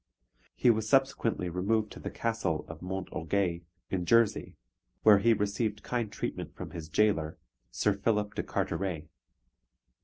He was subsequently removed to the Castle of Mont Orgueil, in Jersey, where he received kind treatment from his jailor, Sir Philip de Carteret.